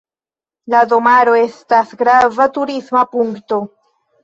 La domaro estas grava turisma punkto.